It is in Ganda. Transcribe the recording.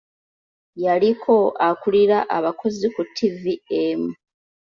Yaliko akulira abakozi ku ttivvi emu.